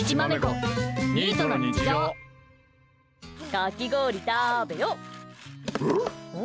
かき氷食べよ！